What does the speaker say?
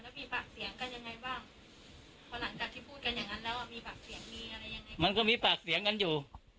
ะเนี่ยมันก็มิปากเสียงกันอยู่